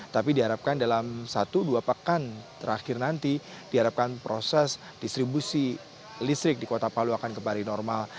tapi diharapkan dalam satu dua pekan terakhir nanti diharapkan proses distribusi listrik di kota palu akan kembali normal